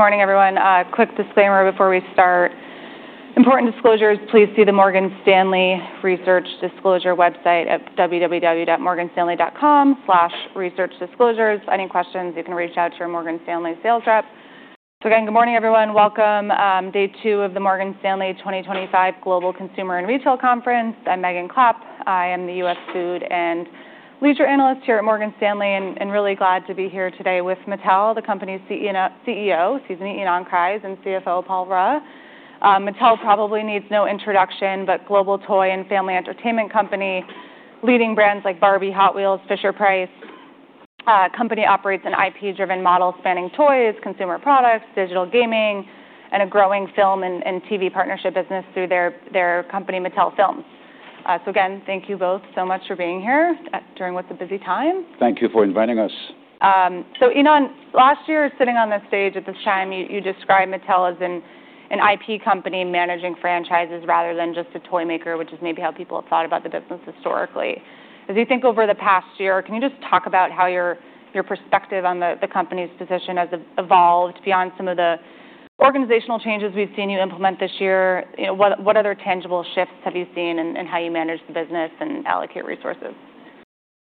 Good morning, everyone. A quick disclaimer before we start: important disclosures. Please see the Morgan Stanley Research Disclosure website at www.morganstanley.com/researchdisclosures. Any questions, you can reach out to your Morgan Stanley sales rep. So again, good morning, everyone. Welcome to day two of the Morgan Stanley 2025 Global Consumer and Retail Conference. I'm Megan Klapp. I am the U.S. Food and Leisure Analyst here at Morgan Stanley and really glad to be here today with Mattel, the company's CEO, Ynon Kreiz, and CFO, Paul Ruh. Mattel probably needs no introduction, but a global toy and family entertainment company leading brands like Barbie, Hot Wheels, and Fisher-Price. The company operates an IP-driven model spanning toys, consumer products, digital gaming, and a growing film and TV partnership business through their company, Mattel Films. So again, thank you both so much for being here during what's a busy time. Thank you for inviting us. So Ynon, last year, sitting on this stage at this time, you described Mattel as an IP company managing franchises rather than just a toy maker, which is maybe how people have thought about the business historically. As you think over the past year, can you just talk about how your perspective on the company's position has evolved beyond some of the organizational changes we've seen you implement this year? What other tangible shifts have you seen in how you manage the business and allocate resources?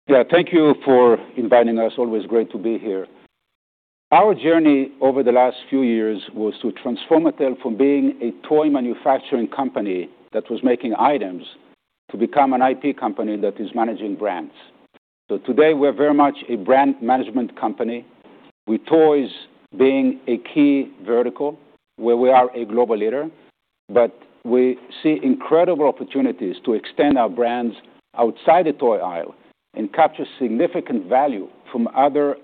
Yeah, thank you for inviting us. Always great to be here. Our journey over the last few years was to transform Mattel from being a toy manufacturing company that was making items to become an IP company that is managing brands, so today, we're very much a brand management company, with toys being a key vertical where we are a global leader, but we see incredible opportunities to extend our brands outside the toy aisle and capture significant value from other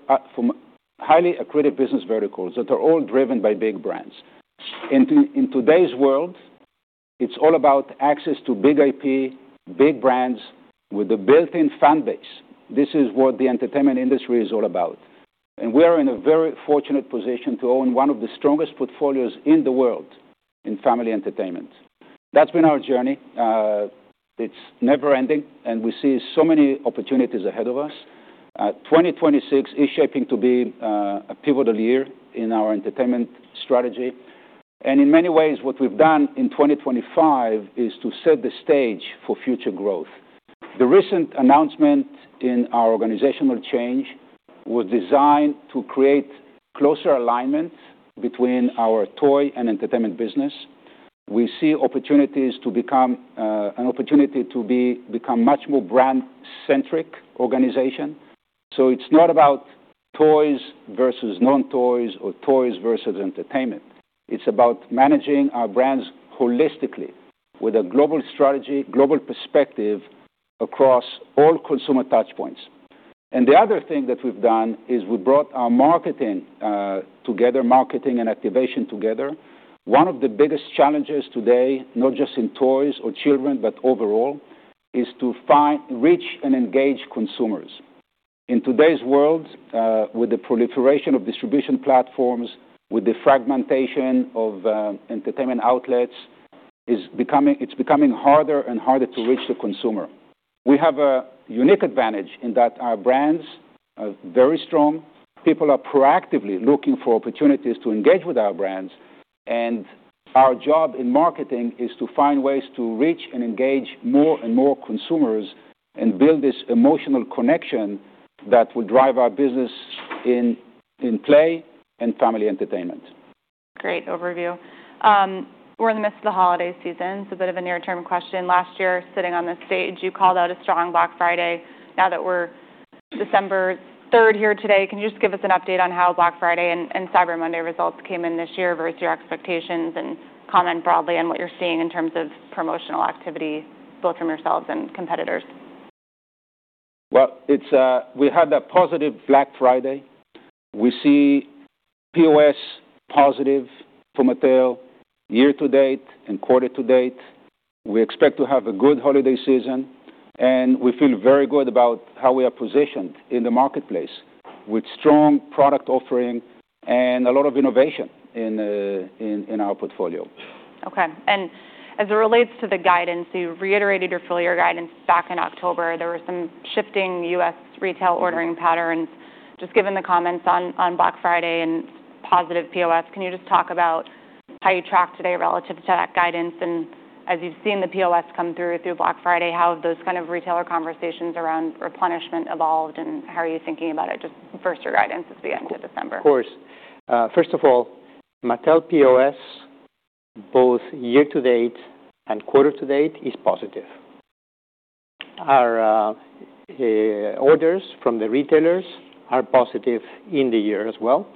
highly accretive business verticals that are all driven by big brands. In today's world, it's all about access to big IP, big brands with a built-in fan base. This is what the entertainment industry is all about, and we are in a very fortunate position to own one of the strongest portfolios in the world in family entertainment. That's been our journey. It's never-ending, and we see so many opportunities ahead of us. 2026 is shaping to be a pivotal year in our entertainment strategy. In many ways, what we've done in 2025 is to set the stage for future growth. The recent announcement in our organizational change was designed to create closer alignment between our toy and entertainment business. We see opportunities to become a much more brand-centric organization. It's not about toys versus non-toys or toys versus entertainment. It's about managing our brands holistically with a global strategy, global perspective across all consumer touchpoints. The other thing that we've done is we brought our marketing together, marketing and activation together. One of the biggest challenges today, not just in toys or children, but overall, is to reach and engage consumers. In today's world, with the proliferation of distribution platforms, with the fragmentation of entertainment outlets, it's becoming harder and harder to reach the consumer. We have a unique advantage in that our brands are very strong. People are proactively looking for opportunities to engage with our brands. And our job in marketing is to find ways to reach and engage more and more consumers and build this emotional connection that will drive our business in play and family entertainment. Great overview. We're in the midst of the holiday season, so a bit of a near-term question. Last year, sitting on this stage, you called out a strong Black Friday. Now that we're December 3rd here today, can you just give us an update on how Black Friday and Cyber Monday results came in this year versus your expectations and comment broadly on what you're seeing in terms of promotional activity, both from yourselves and competitors? We had a positive Black Friday. We see POS positive for Mattel year to date and quarter to date. We expect to have a good holiday season, and we feel very good about how we are positioned in the marketplace with strong product offering and a lot of innovation in our portfolio. Okay. And as it relates to the guidance, you reiterated your full-year guidance back in October. There were some shifting U.S. retail ordering patterns. Just given the comments on Black Friday and positive POS, can you just talk about how you track today relative to that guidance? And as you've seen the POS come through Black Friday, how have those kind of retailer conversations around replenishment evolved, and how are you thinking about it just versus your guidance as we get into December? Of course. First of all, Mattel POS, both year to date and quarter to date, is positive. Our orders from the retailers are positive in the year as well,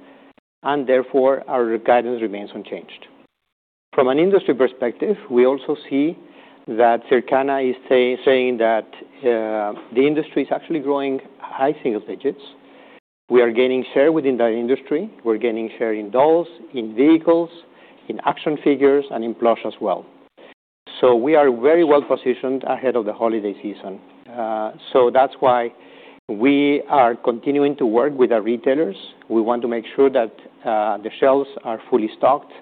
and therefore our guidance remains unchanged. From an industry perspective, we also see that Circana is saying that the industry is actually growing high single digits. We are gaining share within that industry. We're gaining share in dolls, in vehicles, in action figures, and in plush as well. So we are very well positioned ahead of the holiday season. So that's why we are continuing to work with our retailers. We want to make sure that the shelves are fully stocked,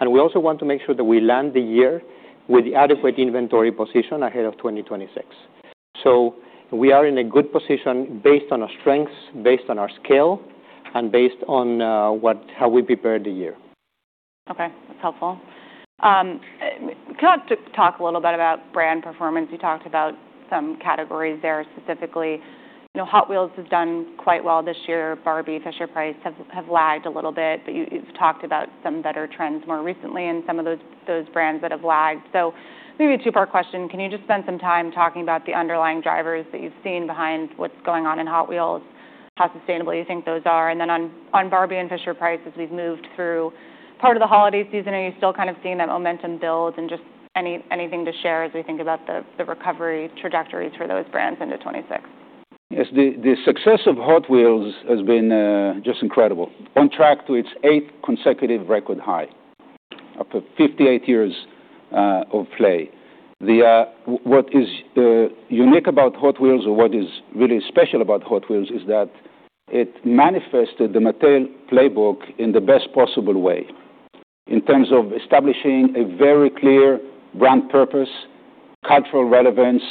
and we also want to make sure that we land the year with the adequate inventory position ahead of 2026. So we are in a good position based on our strengths, based on our scale, and based on how we prepared the year. Okay. That's helpful. Can I talk a little bit about brand performance? You talked about some categories there specifically. Hot Wheels has done quite well this year. Barbie, Fisher-Price have lagged a little bit, but you've talked about some better trends more recently in some of those brands that have lagged. So maybe a two-part question. Can you just spend some time talking about the underlying drivers that you've seen behind what's going on in Hot Wheels, how sustainable you think those are? And then on Barbie and Fisher-Price, as we've moved through part of the holiday season, are you still kind of seeing that momentum build and just anything to share as we think about the recovery trajectories for those brands into 2026? Yes. The success of Hot Wheels has been just incredible. On track to its eighth consecutive record high after 58 years of play. What is unique about Hot Wheels or what is really special about Hot Wheels is that it manifested the Mattel playbook in the best possible way in terms of establishing a very clear brand purpose, cultural relevance,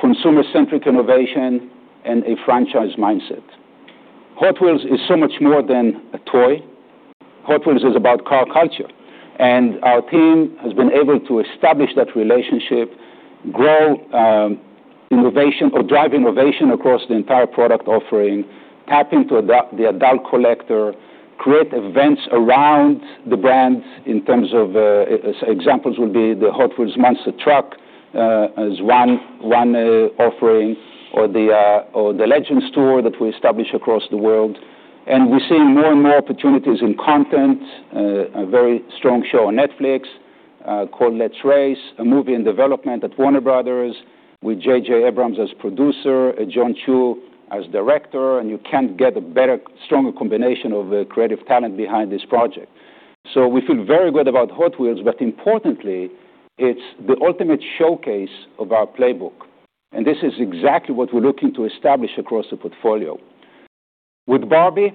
consumer-centric innovation, and a franchise mindset. Hot Wheels is so much more than a toy. Hot Wheels is about car culture. And our team has been able to establish that relationship, grow innovation or drive innovation across the entire product offering, tap into the adult collector, create events around the brands. In terms of examples, the Hot Wheels Monster Truck as one offering, or the Legends Tour that we established across the world. We're seeing more and more opportunities in content: a very strong show on Netflix called Hot Wheels Let's Race, a movie in development at Warner Brothers with J.J. Abrams as producer, Jon M. Chu as director. You can't get a better, stronger combination of creative talent behind this project. We feel very good about Hot Wheels, but importantly, it's the ultimate showcase of our playbook. This is exactly what we're looking to establish across the portfolio. With Barbie,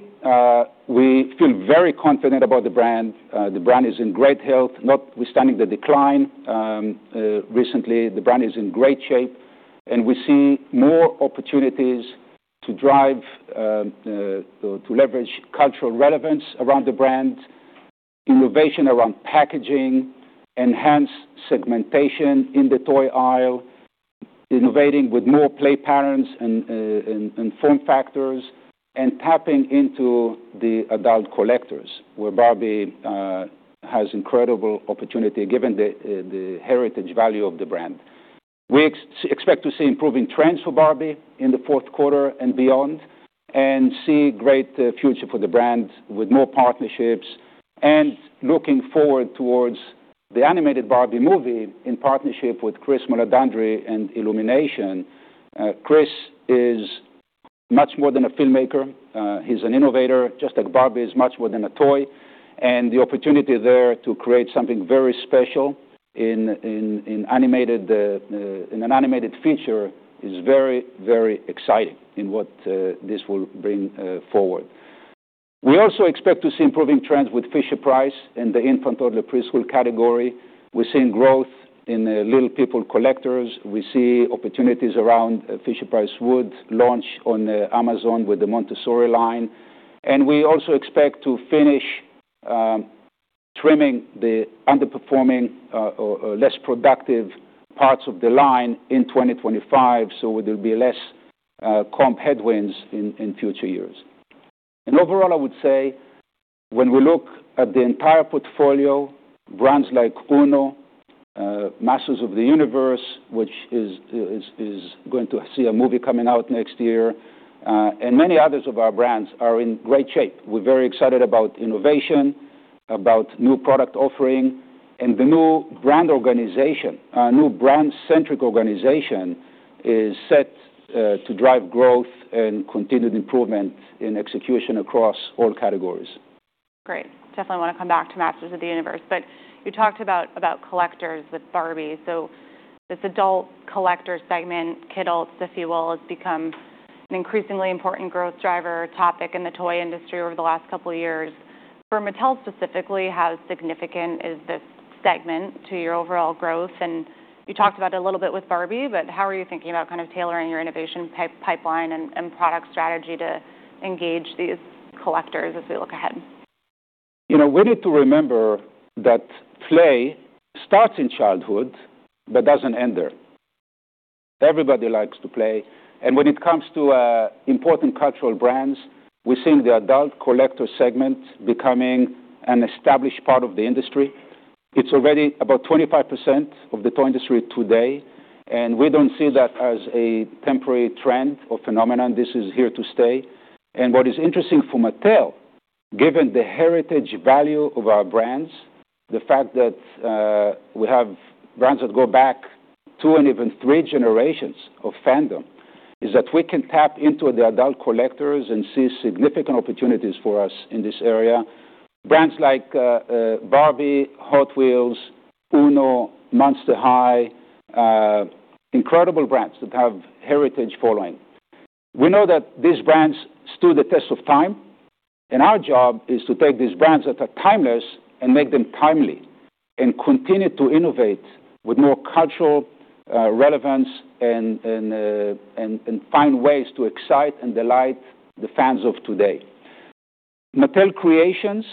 we feel very confident about the brand. The brand is in great health, notwithstanding the decline recently. The brand is in great shape, and we see more opportunities to drive, to leverage cultural relevance around the brand, innovation around packaging, enhanced segmentation in the toy aisle, innovating with more play patterns and form factors, and tapping into the adult collectors where Barbie has incredible opportunity given the heritage value of the brand. We expect to see improving trends for Barbie in the fourth quarter and beyond and see a great future for the brand with more partnerships and looking forward towards the animated Barbie movie in partnership with Chris Meledandri and Illumination. Chris is much more than a filmmaker. He's an innovator, just like Barbie is much more than a toy. And the opportunity there to create something very special in an animated feature is very, very exciting in what this will bring forward. We also expect to see improving trends with Fisher-Price and the infant-toddler preschool category. We're seeing growth in Little People collectors. We see opportunities around Fisher-Price Wood launch on Amazon with the Montessori line, and we also expect to finish trimming the underperforming or less productive parts of the line in 2025, so there'll be less comp headwinds in future years, and overall, I would say when we look at the entire portfolio, brands like UNO, Masters of the Universe, which is going to see a movie coming out next year, and many others of our brands are in great shape. We're very excited about innovation, about new product offering, and the new brand organization, a new brand-centric organization, is set to drive growth and continued improvement in execution across all categories. Great. Definitely want to come back to Masters of the Universe. But you talked about collectors with Barbie. So this adult collector segment, kiddos, if you will, has become an increasingly important growth driver topic in the toy industry over the last couple of years. For Mattel specifically, how significant is this segment to your overall growth? And you talked about it a little bit with Barbie, but how are you thinking about kind of tailoring your innovation pipeline and product strategy to engage these collectors as we look ahead? You know, we need to remember that play starts in childhood but doesn't end there. Everybody likes to play. And when it comes to important cultural brands, we're seeing the adult collector segment becoming an established part of the industry. It's already about 25% of the toy industry today, and we don't see that as a temporary trend or phenomenon. This is here to stay. And what is interesting for Mattel, given the heritage value of our brands, the fact that we have brands that go back two and even three generations of fandom, is that we can tap into the adult collectors and see significant opportunities for us in this area. Brands like Barbie, Hot Wheels, UNO, Monster High, incredible brands that have heritage following. We know that these brands stood the test of time, and our job is to take these brands that are timeless and make them timely and continue to innovate with more cultural relevance and find ways to excite and delight the fans of today. Mattel Creations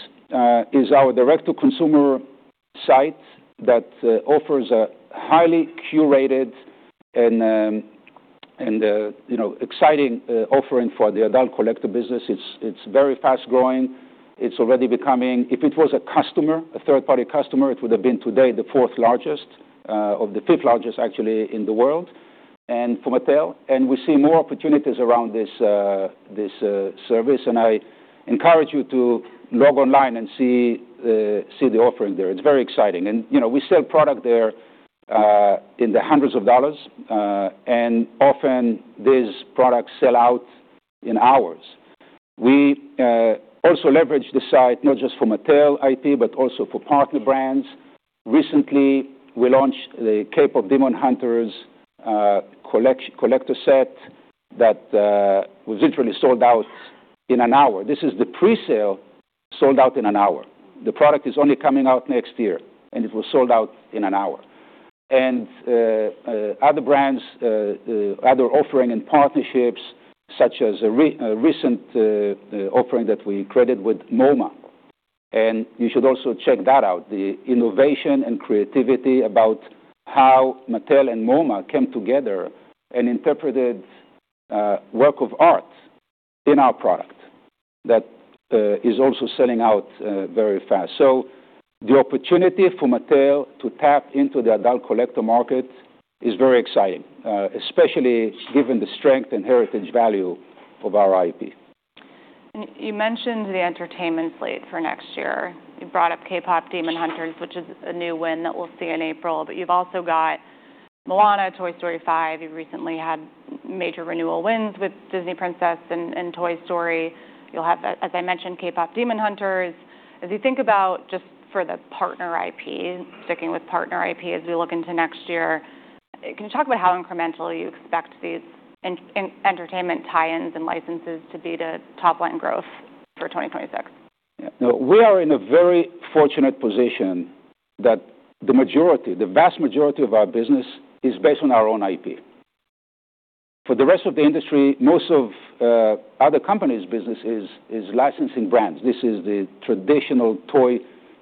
is our direct-to-consumer site that offers a highly curated and exciting offering for the adult collector business. It's very fast-growing. It's already becoming, if it was a customer, a third-party customer, it would have been today the fourth largest or the fifth largest, actually, in the world for Mattel. And we see more opportunities around this service, and I encourage you to log online and see the offering there. It's very exciting. And we sell product there in the hundreds of dollars, and often these products sell out in hours. We also leverage the site not just for Mattel IP, but also for partner brands. Recently, we launched the K-Pop: Demon Hunters collector set that was literally sold out in an hour. This is the presale sold out in an hour. The product is only coming out next year, and it was sold out in an hour, and other brands, other offering and partnerships, such as a recent offering that we created with MoMA. And you should also check that out, the innovation and creativity about how Mattel and MoMA came together and interpreted work of art in our product that is also selling out very fast, so the opportunity for Mattel to tap into the adult collector market is very exciting, especially given the strength and heritage value of our IP. You mentioned the entertainment slate for next year. You brought up K-Pop: Demon Hunters, which is a new win that we'll see in April, but you've also got Moana, Toy Story 5. You recently had major renewal wins with Disney Princess and Toy Story. You'll have, as I mentioned, K-Pop: Demon Hunters. As you think about just for the partner IP, sticking with partner IP as we look into next year, can you talk about how incrementally you expect these entertainment tie-ins and licenses to be to top line growth for 2026? Yeah. No, we are in a very fortunate position that the majority, the vast majority of our business is based on our own IP. For the rest of the industry, most of other companies' business is licensing brands. This is the traditional toy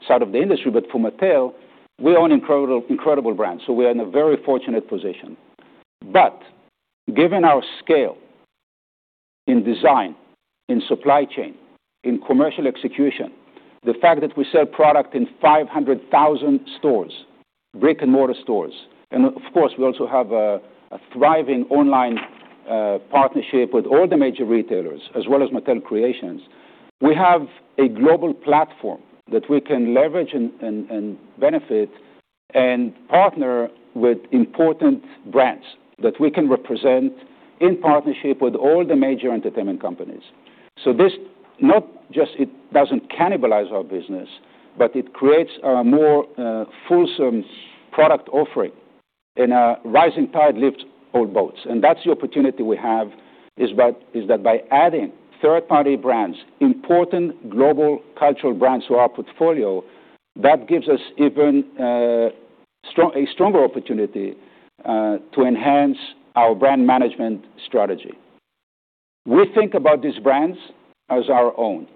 side of the industry, but for Mattel, we own incredible brands, so we are in a very fortunate position. But given our scale in design, in supply chain, in commercial execution, the fact that we sell product in 500,000 stores, brick-and-mortar stores, and of course, we also have a thriving online partnership with all the major retailers as well as Mattel Creations, we have a global platform that we can leverage and benefit and partner with important brands that we can represent in partnership with all the major entertainment companies. So this not just it doesn't cannibalize our business, but it creates a more fulsome product offering and a rising tide lifts all boats. And that's the opportunity we have is that by adding third-party brands, important global cultural brands to our portfolio, that gives us even a stronger opportunity to enhance our brand management strategy. We think about these brands as our own.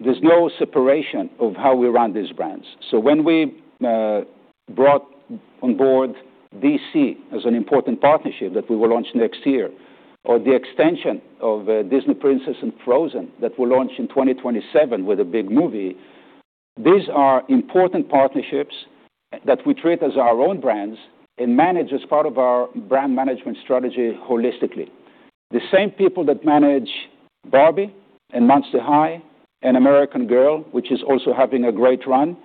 There's no separation of how we run these brands. So when we brought on board DC as an important partnership that we will launch next year, or the extension of Disney Princess and Frozen that we'll launch in 2027 with a big movie, these are important partnerships that we treat as our own brands and manage as part of our brand management strategy holistically. The same people that manage Barbie and Monster High and American Girl, which is also having a great run,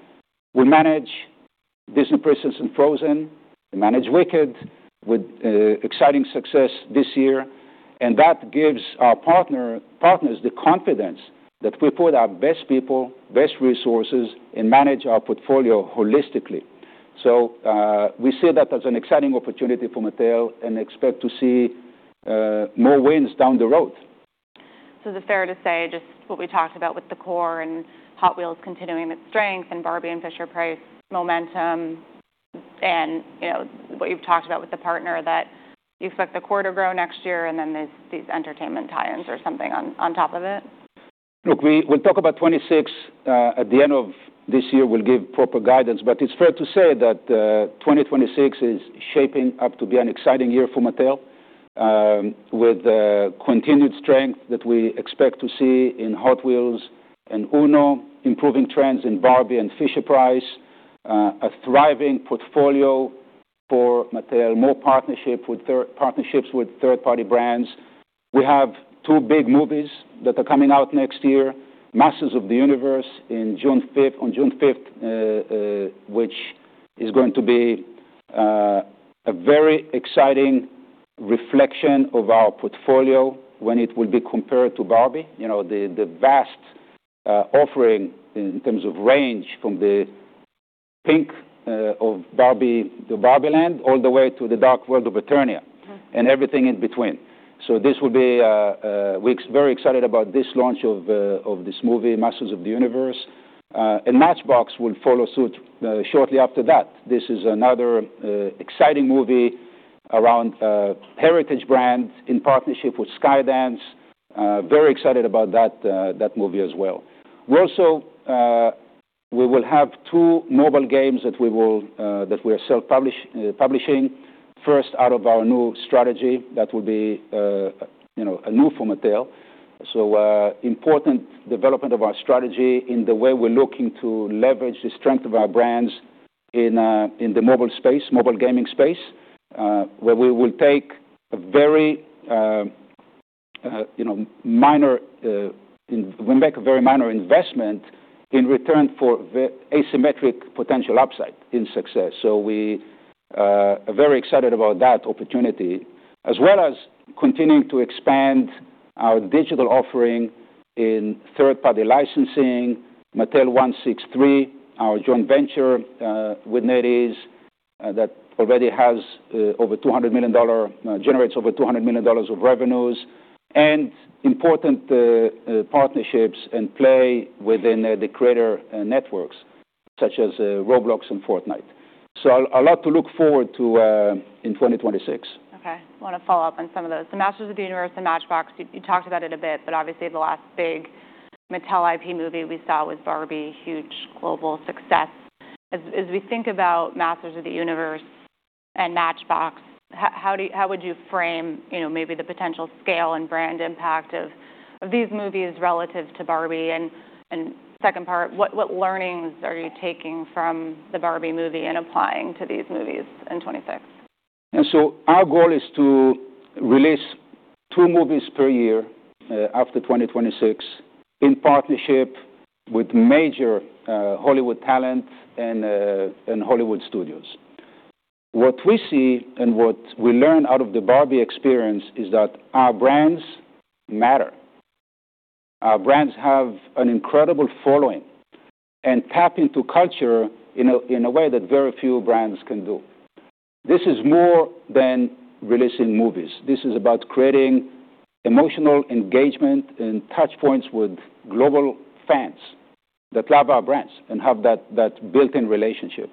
will manage Disney Princess and Frozen, manage Wicked with exciting success this year. And that gives our partners the confidence that we put our best people, best resources, and manage our portfolio holistically. So we see that as an exciting opportunity for Mattel and expect to see more wins down the road. So is it fair to say just what we talked about with the core and Hot Wheels continuing its strength and Barbie and Fisher-Price momentum and what you've talked about with the partner that you expect the core to grow next year and then these entertainment tie-ins or something on top of it? Look, we'll talk about 2026. At the end of this year, we'll give proper guidance, but it's fair to say that 2026 is shaping up to be an exciting year for Mattel with continued strength that we expect to see in Hot Wheels and UNO, improving trends in Barbie and Fisher-Price, a thriving portfolio for Mattel, more partnerships with third-party brands. We have two big movies that are coming out next year, Masters of the Universe on June 5th, which is going to be a very exciting reflection of our portfolio when it will be compared to Barbie, the vast offering in terms of range from the pink of Barbie, the Barbieland, all the way to the dark world of Eternia and everything in between. So this will be. We're very excited about this launch of this movie, Masters of the Universe. Matchbox will follow suit shortly after that. This is another exciting movie around heritage brands in partnership with Skydance. Very excited about that movie as well. We also will have two mobile games that we are self-publishing, first out of our new strategy that will be new for Mattel. So important development of our strategy in the way we're looking to leverage the strength of our brands in the mobile space, mobile gaming space, where we will take a very minor investment in return for asymmetric potential upside in success. So we are very excited about that opportunity, as well as continuing to expand our digital offering in third-party licensing, Mattel163, our joint venture with NetEase that already has over $200 million, generates over $200 million of revenues, and important partnerships and play within the creator networks such as Roblox and Fortnite. A lot to look forward to in 2026. Okay. I want to follow up on some of those. The Masters of the Universe and Matchbox, you talked about it a bit, but obviously the last big Mattel IP movie we saw was Barbie, huge global success. As we think about Masters of the Universe and Matchbox, how would you frame maybe the potential scale and brand impact of these movies relative to Barbie? And second part, what learnings are you taking from the Barbie movie and applying to these movies in 2026? So our goal is to release two movies per year after 2026 in partnership with major Hollywood talent and Hollywood studios. What we see and what we learn out of the Barbie experience is that our brands matter. Our brands have an incredible following and tap into culture in a way that very few brands can do. This is more than releasing movies. This is about creating emotional engagement and touchpoints with global fans that love our brands and have that built-in relationship.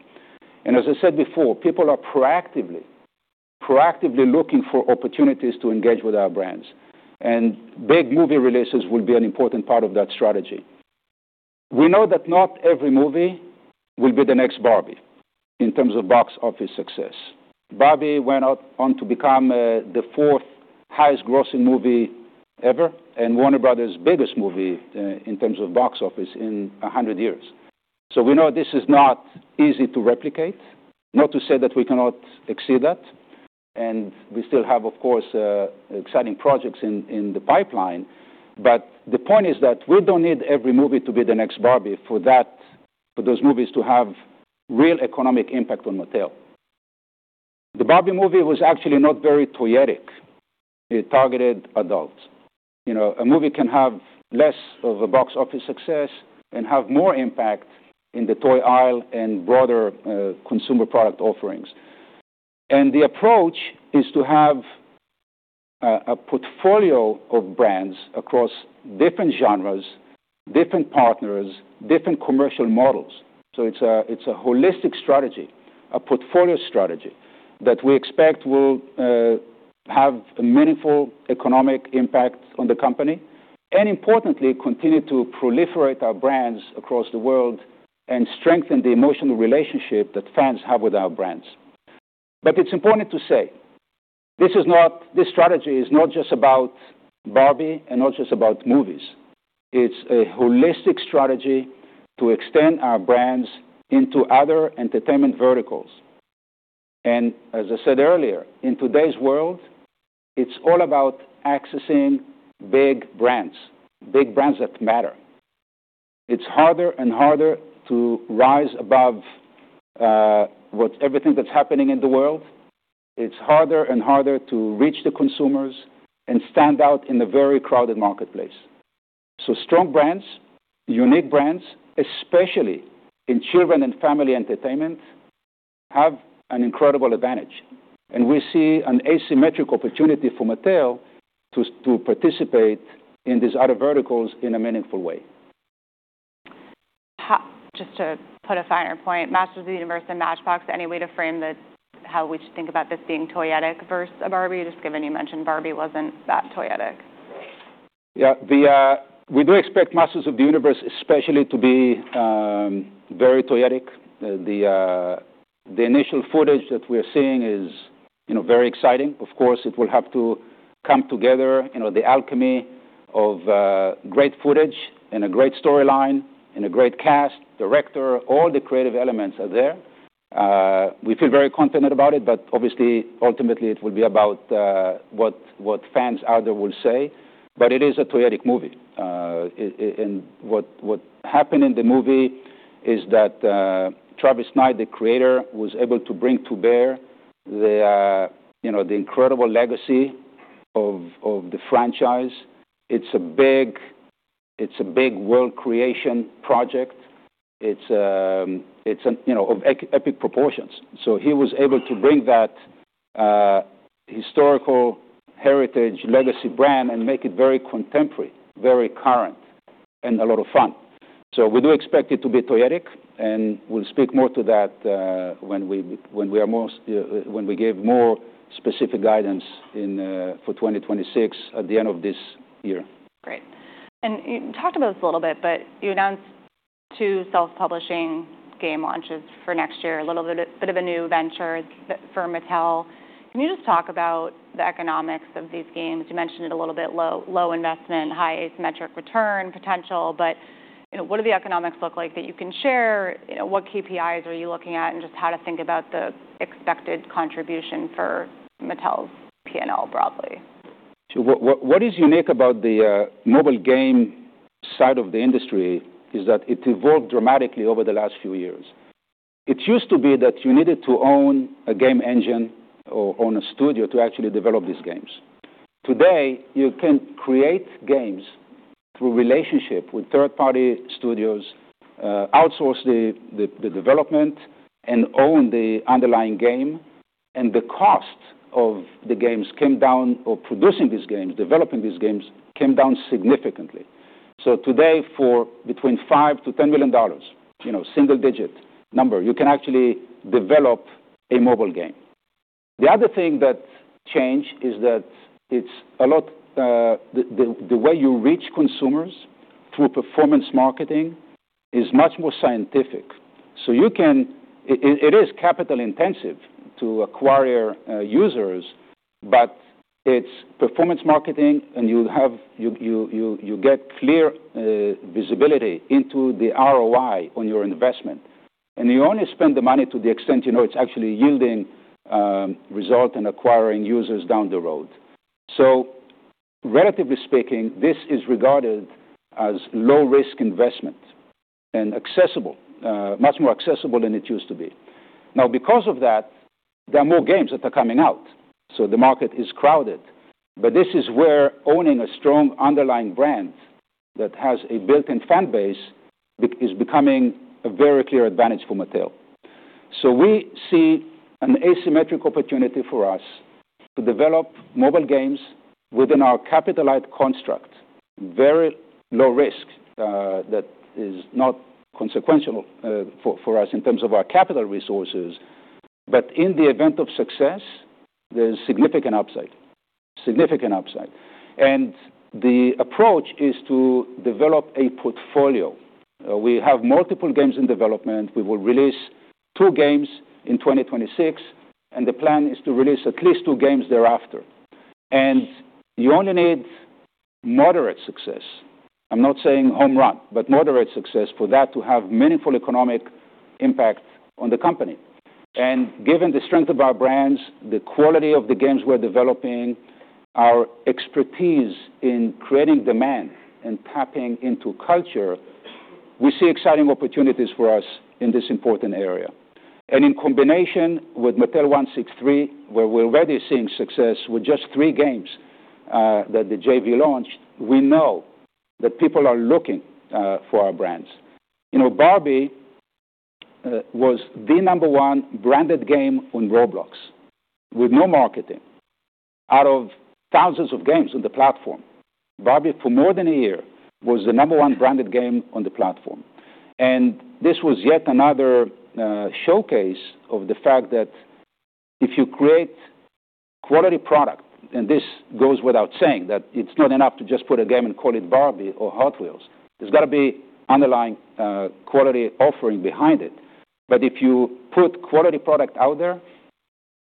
And as I said before, people are proactively looking for opportunities to engage with our brands, and big movie releases will be an important part of that strategy. We know that not every movie will be the next Barbie in terms of box office success. Barbie went on to become the fourth highest-grossing movie ever and Warner Brothers.' biggest movie in terms of box office in 100 years, so we know this is not easy to replicate, not to say that we cannot exceed that, and we still have, of course, exciting projects in the pipeline, but the point is that we don't need every movie to be the next Barbie for those movies to have real economic impact on Mattel. The Barbie movie was actually not very toyetic. It targeted adults. A movie can have less of a box office success and have more impact in the toy aisle and broader consumer product offerings, and the approach is to have a portfolio of brands across different genres, different partners, different commercial models. It's a holistic strategy, a portfolio strategy that we expect will have a meaningful economic impact on the company and, importantly, continue to proliferate our brands across the world and strengthen the emotional relationship that fans have with our brands. But it's important to say this strategy is not just about Barbie and not just about movies. It's a holistic strategy to extend our brands into other entertainment verticals. And as I said earlier, in today's world, it's all about accessing big brands, big brands that matter. It's harder and harder to rise above everything that's happening in the world. It's harder and harder to reach the consumers and stand out in a very crowded marketplace. Strong brands, unique brands, especially in children and family entertainment, have an incredible advantage. And we see an asymmetric opportunity for Mattel to participate in these other verticals in a meaningful way. Just to put a finer point, Masters of the Universe and Matchbox, any way to frame how we should think about this being toyetic versus a Barbie, just given you mentioned Barbie wasn't that toyetic? Yeah. We do expect Masters of the Universe especially to be very toyetic. The initial footage that we are seeing is very exciting. Of course, it will have to come together. The alchemy of great footage and a great storyline and a great cast, director, all the creative elements are there. We feel very confident about it, but obviously, ultimately, it will be about what fans out there will say. But it is a toyetic movie. And what happened in the movie is that Travis Knight, the creator, was able to bring to bear the incredible legacy of the franchise. It's a big world creation project. It's of epic proportions. So he was able to bring that historical heritage legacy brand and make it very contemporary, very current, and a lot of fun. So we do expect it to be toyetic, and we'll speak more to that when we give more specific guidance for 2026 at the end of this year. Great. And you talked about this a little bit, but you announced two self-publishing game launches for next year, a little bit of a new venture for Mattel. Can you just talk about the economics of these games? You mentioned it a little bit, low investment, high asymmetric return potential, but what do the economics look like that you can share? What KPIs are you looking at and just how to think about the expected contribution for Mattel's P&L broadly? What is unique about the mobile game side of the industry is that it evolved dramatically over the last few years. It used to be that you needed to own a game engine or own a studio to actually develop these games. Today, you can create games through relationship with third-party studios, outsource the development, and own the underlying game. And the cost of the games came down or producing these games, developing these games came down significantly. So today, for between $5 million-$10 million, single-digit number, you can actually develop a mobile game. The other thing that changed is that it's a lot the way you reach consumers through performance marketing is much more scientific. So it is capital-intensive to acquire users, but it's performance marketing, and you get clear visibility into the ROI on your investment. And you only spend the money to the extent it's actually yielding result and acquiring users down the road. So relatively speaking, this is regarded as low-risk investment and accessible, much more accessible than it used to be. Now, because of that, there are more games that are coming out. So the market is crowded. But this is where owning a strong underlying brand that has a built-in fan base is becoming a very clear advantage for Mattel. So we see an asymmetric opportunity for us to develop mobile games within our capital-light construct, very low risk that is not consequential for us in terms of our capital resources. But in the event of success, there's significant upside, significant upside. And the approach is to develop a portfolio. We have multiple games in development. We will release two games in 2026, and the plan is to release at least two games thereafter. And you only need moderate success. I'm not saying home run, but moderate success for that to have meaningful economic impact on the company. And given the strength of our brands, the quality of the games we're developing, our expertise in creating demand and tapping into culture, we see exciting opportunities for us in this important area. And in combination with Mattel163, where we're already seeing success with just three games that the JV launched, we know that people are looking for our brands. Barbie was the number one branded game on Roblox with no marketing out of thousands of games on the platform. Barbie, for more than a year, was the number one branded game on the platform. This was yet another showcase of the fact that if you create quality product, and this goes without saying that it's not enough to just put a game and call it Barbie or Hot Wheels. There's got to be underlying quality offering behind it. But if you put quality product out there,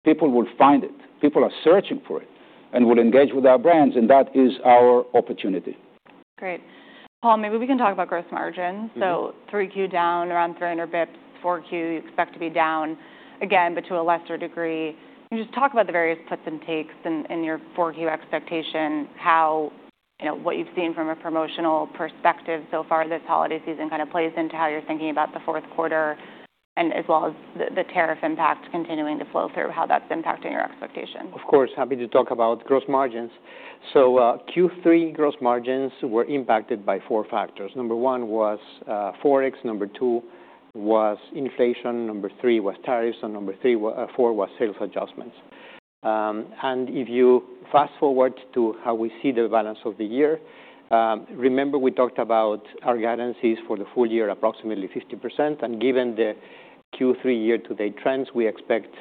people will find it. People are searching for it and will engage with our brands, and that is our opportunity. Great. Paul, maybe we can talk about gross margins. So 3Q down around 300 basis points, 4Q you expect to be down again, but to a lesser degree. Can you just talk about the various puts and takes in your 4Q expectation, how what you've seen from a promotional perspective so far this holiday season kind of plays into how you're thinking about the fourth quarter and as well as the tariff impact continuing to flow through, how that's impacting your expectation? Of course. Happy to talk about gross margins, so Q3 gross margins were impacted by four factors. Number one was Forex. Number two was inflation. Number three was tariffs, and number four was sales adjustments, and if you fast forward to how we see the balance of the year, remember we talked about our guidances for the full year, approximately 50%, and given the Q3 year-to-date trends, we expect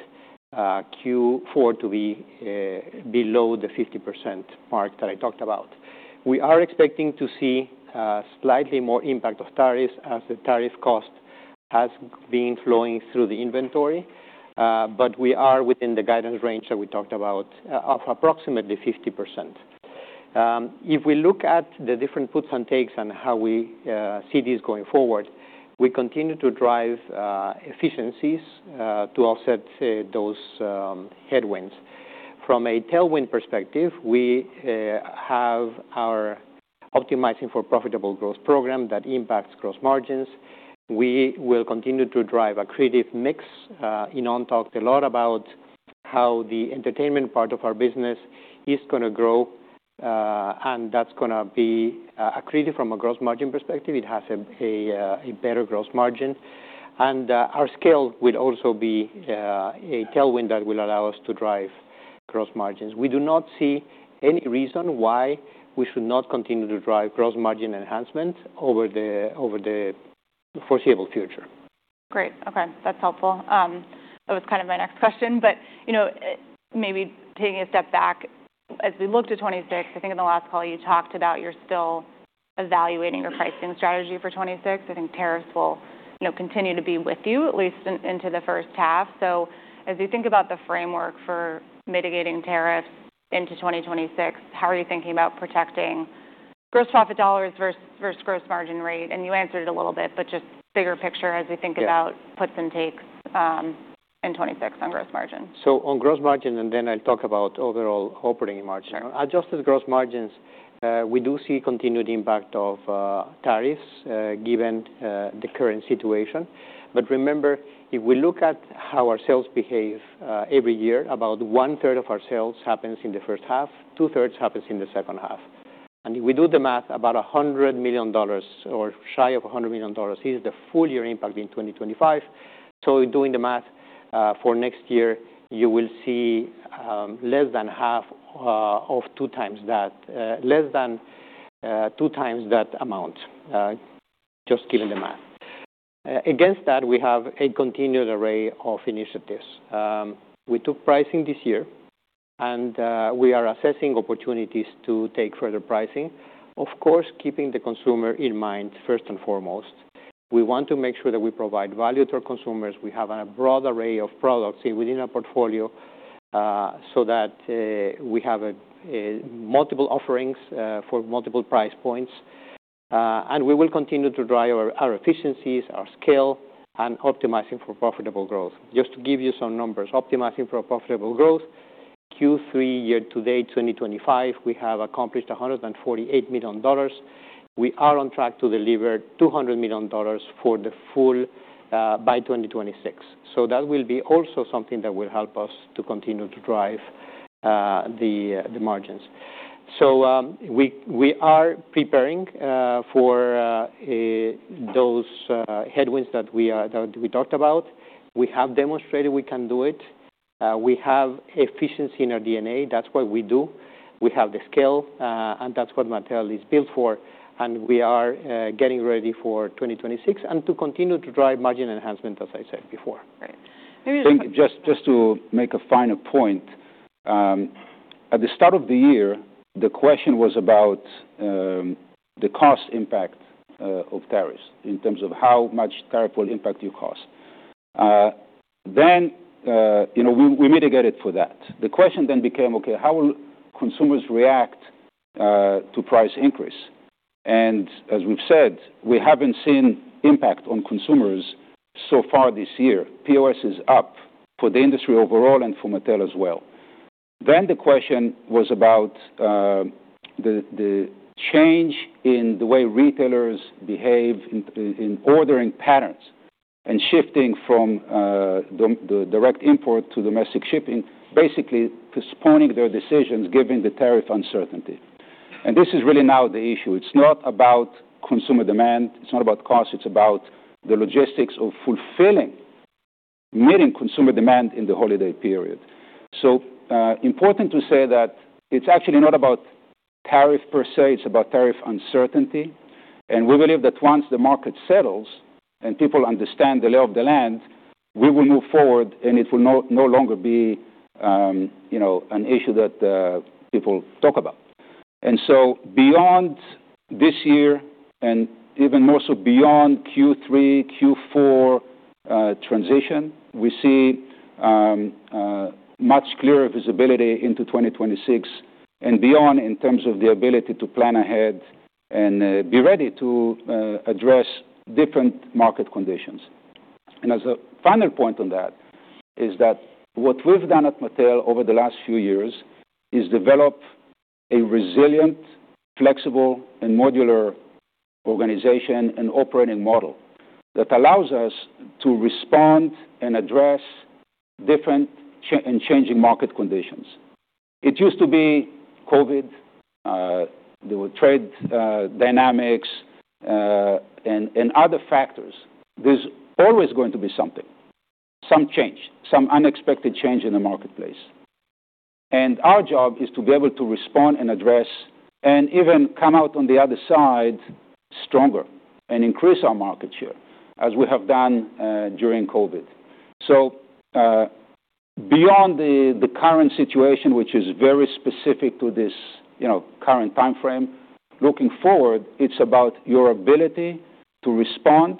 Q4 to be below the 50% mark that I talked about. We are expecting to see slightly more impact of tariffs as the tariff cost has been flowing through the inventory, but we are within the guidance range that we talked about of approximately 50%. If we look at the different puts and takes and how we see these going forward, we continue to drive efficiencies to offset those headwinds. From a tailwind perspective, we have our optimizing for profitable growth program that impacts gross margins. We will continue to drive a favorable mix. In our talk, a lot about how the entertainment part of our business is going to grow, and that's going to be accretive from a gross margin perspective. It has a better gross margin. And our scale will also be a tailwind that will allow us to drive gross margins. We do not see any reason why we should not continue to drive gross margin enhancement over the foreseeable future. Great. Okay. That's helpful. That was kind of my next question, but maybe taking a step back, as we look to 2026, I think in the last call you talked about you're still evaluating your pricing strategy for 2026. I think tariffs will continue to be with you, at least into the first half. So as you think about the framework for mitigating tariffs into 2026, how are you thinking about protecting gross profit dollars versus gross margin rate? And you answered it a little bit, but just bigger picture as we think about puts and takes in 2026 on gross margin. So on gross margin, and then I'll talk about overall operating margin. Adjusted gross margins, we do see continued impact of tariffs given the current situation. But remember, if we look at how our sales behave every year, about one-third of our sales happens in the first half, two-thirds happens in the second half. And if we do the math, about $100 million or shy of $100 million is the full year impact in 2025. So doing the math for next year, you will see less than half of two times that, less than two times that amount, just given the math. Against that, we have a continued array of initiatives. We took pricing this year, and we are assessing opportunities to take further pricing, of course, keeping the consumer in mind first and foremost. We want to make sure that we provide value to our consumers. We have a broad array of products within our portfolio so that we have multiple offerings for multiple price points, and we will continue to drive our efficiencies, our scale, and optimizing for profitable growth. Just to give you some numbers, optimizing for profitable growth, Q3 year-to-date 2025, we have accomplished $148 million. We are on track to deliver $200 million for the full by 2026, and that will be also something that will help us to continue to drive the margins. We are preparing for those headwinds that we talked about. We have demonstrated we can do it. We have efficiency in our DNA. That's what we do. We have the scale, and that's what Mattel is built for, and we are getting ready for 2026 and to continue to drive margin enhancement, as I said before. Great. Maybe just. Just to make a final point. At the start of the year, the question was about the cost impact of tariffs in terms of how much tariff will impact your cost. Then we mitigated for that. The question then became, okay, how will consumers react to price increase? And as we've said, we haven't seen impact on consumers so far this year. POS is up for the industry overall and for Mattel as well. Then the question was about the change in the way retailers behave in ordering patterns and shifting from the direct import to domestic shipping, basically postponing their decisions given the tariff uncertainty. And this is really now the issue. It's not about consumer demand. It's not about cost. It's about the logistics of fulfilling, meeting consumer demand in the holiday period. So important to say that it's actually not about tariff per se. It's about tariff uncertainty, and we believe that once the market settles and people understand the lay of the land, we will move forward, and it will no longer be an issue that people talk about, and so beyond this year and even more so beyond Q3, Q4 transition, we see much clearer visibility into 2026 and beyond in terms of the ability to plan ahead and be ready to address different market conditions, and as a final point on that is that what we've done at Mattel over the last few years is develop a resilient, flexible, and modular organization and operating model that allows us to respond and address different and changing market conditions. It used to be COVID, the trade dynamics, and other factors. There's always going to be something, some change, some unexpected change in the marketplace. Our job is to be able to respond and address and even come out on the other side stronger and increase our market share as we have done during COVID. Beyond the current situation, which is very specific to this current timeframe, looking forward, it's about your ability to respond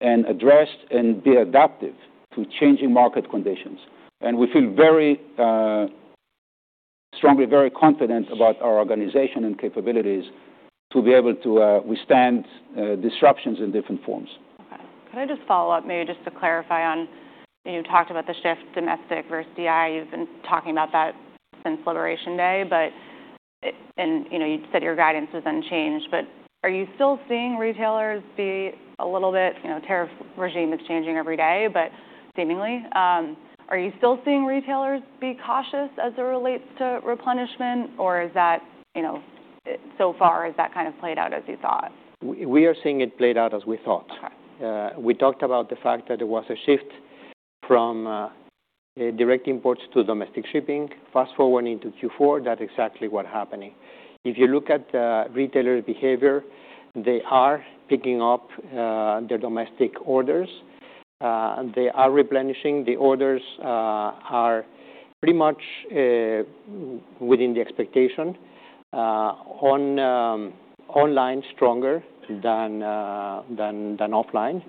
and address and be adaptive to changing market conditions. We feel very strongly, very confident about our organization and capabilities to be able to withstand disruptions in different forms. Okay. Could I just follow up, maybe just to clarify on you talked about the shift domestic versus DI? You've been talking about that since Liberation Day, but you said your guidance was unchanged. But are you still seeing retailers be a little bit tariff regime is changing every day, but seemingly? Are you still seeing retailers be cautious as it relates to replenishment, or is that so far has that kind of played out as you thought? We are seeing it played out as we thought. We talked about the fact that there was a shift from direct imports to domestic shipping. Fast forward into Q4, that's exactly what's happening. If you look at retailer behavior, they are picking up their domestic orders. They are replenishing. The orders are pretty much within the expectation. Online stronger than offline,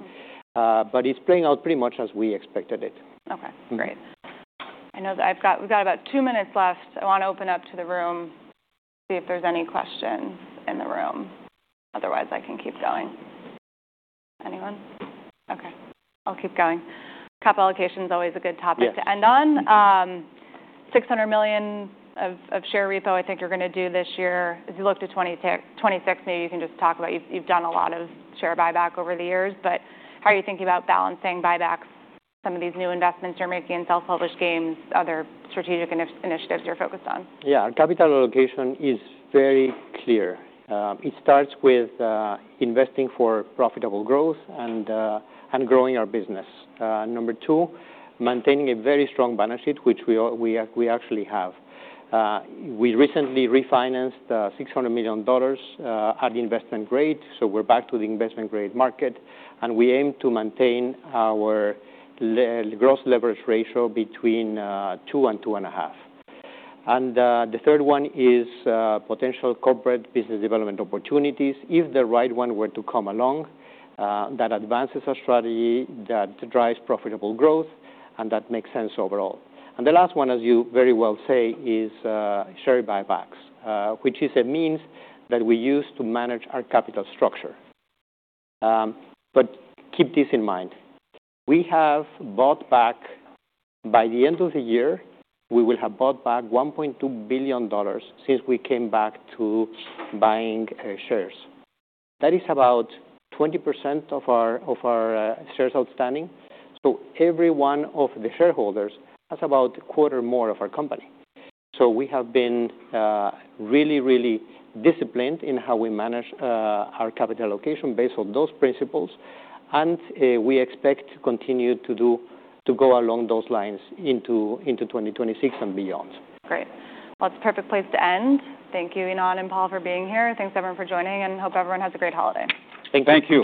but it's playing out pretty much as we expected it. Okay. Great. I know that we've got about two minutes left. I want to open up to the room, see if there's any questions in the room. Otherwise, I can keep going. Anyone? Okay. I'll keep going. Capital allocation is always a good topic to end on. $600 million of share repo, I think you're going to do this year. As you look to 2026, maybe you can just talk about you've done a lot of share buyback over the years, but how are you thinking about balancing buybacks, some of these new investments you're making in self-published games, other strategic initiatives you're focused on? Yeah. Capital allocation is very clear. It starts with investing for profitable growth and growing our business. Number two, maintaining a very strong balance sheet, which we actually have. We recently refinanced $600 million at Investment Grade, so we're back to the Investment Grade market, and we aim to maintain our Gross Leverage Ratio between two and two and a half. And the third one is potential corporate business development opportunities. If the right one were to come along, that advances our strategy that drives profitable growth and that makes sense overall. And the last one, as you very well say, is share buybacks, which is a means that we use to manage our capital structure. But keep this in mind. We have bought back by the end of the year. We will have bought back $1.2 billion since we came back to buying shares. That is about 20% of our shares outstanding. So every one of the shareholders has about a quarter more of our company. So we have been really, really disciplined in how we manage our capital allocation based on those principles, and we expect to continue to go along those lines into 2026 and beyond. Great. Well, that's a perfect place to end. Thank you, Ynon and Paul, for being here. Thanks, everyone, for joining, and hope everyone has a great holiday. Thank you.